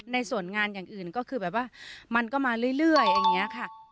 ในส่วนงานอย่างอื่นก็คือมันก็มาเรื่อย